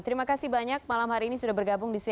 terima kasih banyak malam hari ini sudah bergabung